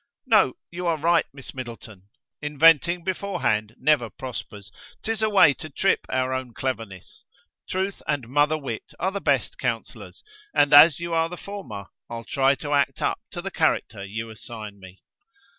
"No, you are right, Miss Middleton, inventing beforehand never prospers; 't is a way to trip our own cleverness. Truth and mother wit are the best counsellors: and as you are the former, I'll try to act up to the character you assign me."